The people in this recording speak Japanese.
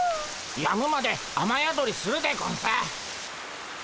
やむまで雨宿りするでゴンス。